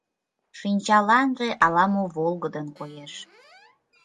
Шинчаланже ала-мо волгыдын коеш.